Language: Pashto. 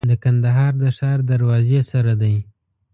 د کندهار د ښار دروازې سره دی.